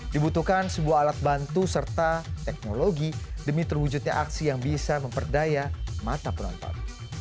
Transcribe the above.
dibutuhkan sebuah alat bantu serta teknologi demi terwujudnya aksi yang bisa memperdaya mata penonton